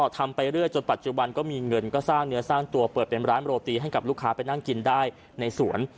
ทำไปเรื่อยจนปัจจุบันก็มีเงินก็สร้างเนื้อสร้างตัวเปิดเป็นร้านโรตีให้กับลูกค้าไปนั่งกินได้ในสวน